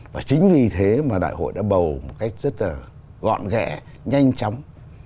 và chính vì thế mà đại hội đã bầu một cách rất là gọn ghẽ nhanh chóng